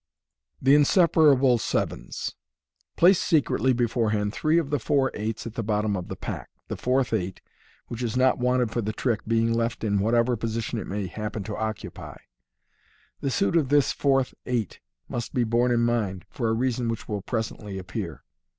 The Inseparable Sevbns. — Place secretly beforehand three of the four eights at the bottom of the pack, the fourth eight, which is MODERN MAGIC. not wanted for the trick, being left in whatever position it may happen to occupy. (The suit of this fourth eight must be borne in mind, for a reason which will presently appear.)